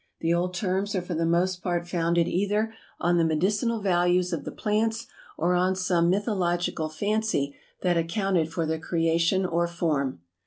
The old terms are for the most part founded either on the medicinal values of the plants or on some mythological fancy that accounted for their creation or form.